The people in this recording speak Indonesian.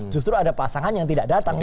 justru ada pasangan yang tidak datang